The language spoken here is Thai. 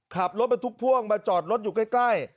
ขับรถบรรทุกพ่วงมาจอดรถอยู่ใกล้